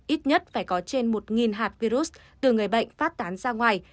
ít nhất phải có trên một hạt virus từ người bệnh phát tán ra ngoài